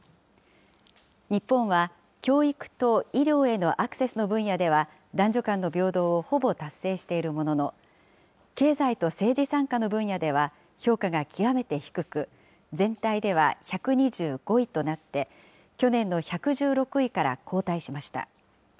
日本は教育と医療へのアクセスの分野では、男女間の平等をほぼ達成しているものの、経済と政治参加の分野では、評価が極めて低く、全体では１２５位となって、去年の１１６位から後退しました。